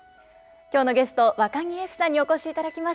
今日のゲストわかぎゑふさんにお越しいただきました。